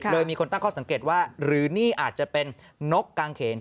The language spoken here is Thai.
มีคนตั้งข้อสังเกตว่าหรือนี่อาจจะเป็นนกกางเขน